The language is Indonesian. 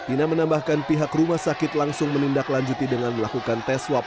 ina menambahkan pihak rumah sakit langsung menindaklanjuti dengan melakukan tes swab